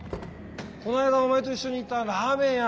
この間お前と一緒に行ったラーメン屋。